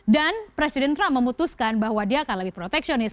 dan presiden trump memutuskan bahwa dia akan lebih proteksionis